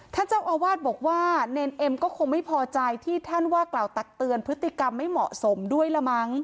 ท่านเจ้าอาวาสบอกว่าเนรเอ็มก็คงไม่พอใจที่ท่านว่ากล่าวตักเตือนพฤติกรรมไม่เหมาะสมด้วยละมั้ง